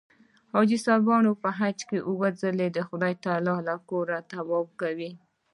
حاجي صاحبان په حج کې اووه ځله د خدای تعلی له کوره طواف کوي.